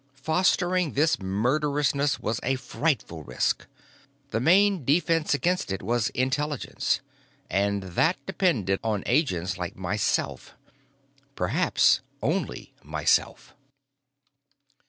Fostering this murderousness was a frightful risk. The main defense against it was Intelligence, and that depended on agents like myself. Perhaps only myself.